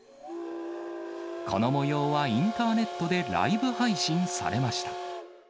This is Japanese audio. このもようはインターネットでライブ配信されました。